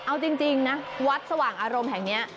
เอาจริงนะวัดสว่างอารมณ์แห่งนี้